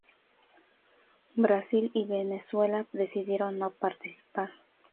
Brasil y Venezuela decidieron no participar.